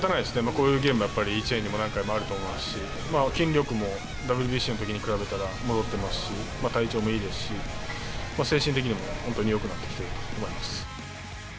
こういうゲームはやっぱり、１年に何回もあると思うんで、筋力もＷＢＣのときに比べたら戻っていますし、体調もいいですし、精神的にも、本当によくなってきていると思います。